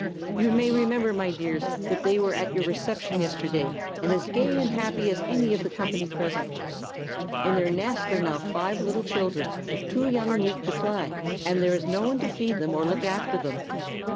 You may remember, my dears, that they were at your reception yesterday, and as gay and happy as any of the company present. In their nest are now five little children, too young and weak to fly, and there is no one to feed them or look after them."